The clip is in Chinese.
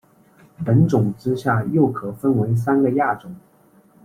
本种之下又可分为三个亚种。